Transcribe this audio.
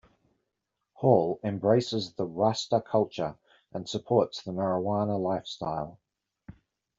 Hall embraces the Rasta culture and supports the marijuana lifestyle.